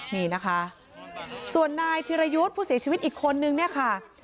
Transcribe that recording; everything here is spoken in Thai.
นี่นะคะส่วนนายธิรยุทธ์ผู้เสียชีวิตอีกคนนึงเนี่ยค่ะ